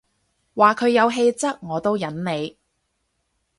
話佢有氣質我都忍你